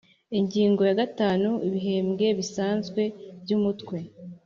Ingingo ya gatanu Ibihembwe bisanzwe by Umutwe